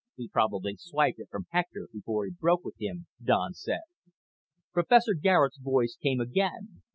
"He probably swiped it from Hector before he broke with him," Don said. Professor Garet's voice came again.